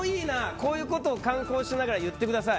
こういうことを観光しながら言ってください。